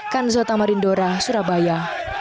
kan zota marindora surabaya